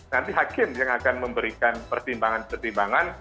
nanti hakim yang akan memberikan pertimbangan pertimbangan